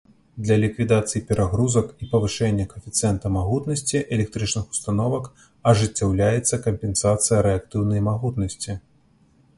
Для ліквідацыі перагрузак і павышэння каэфіцыента магутнасці электрычных установак ажыццяўляецца кампенсацыя рэактыўнай магутнасці.